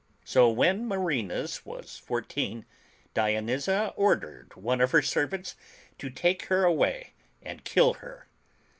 So when Marina's was four teen, Dionyza ordered one of her servants to take her away and kill her.